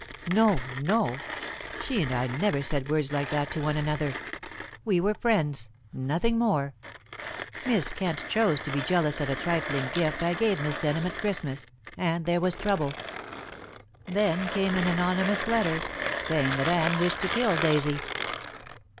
"No, no! She and I never said words like that to one another. We were friends; nothing more. Miss Kent chose to be jealous of a trifling gift I gave Miss Denham at Christmas, and there was trouble. Then came an anonymous letter, saying that Anne wished to kill Daisy."